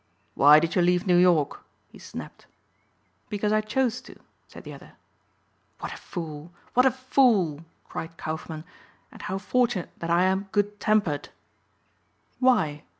"Why did you leave New York?" he snapped. "Because I chose to," said the other. "What a fool! what a fool!" cried Kaufmann, "and how fortunate that I am good tempered." "Why?"